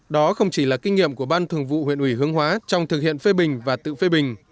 đó không chỉ là kinh nghiệm của ban thường vụ huyện ủy hướng hóa trong thực hiện phê bình và tự phê bình